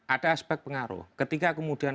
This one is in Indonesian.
ada aspek pengaruh ketika kemudian